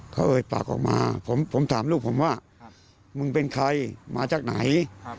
เขาเอ่ยปากออกมาผมถามลูกผมว่ามึงเป็นใครมาจากไหน